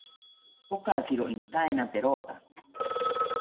Pokakiro intaina perota